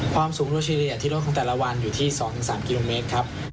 ความสูงโดยเฉลี่ยที่ลดของแต่ละวันอยู่ที่๒๓กิโลเมตรครับ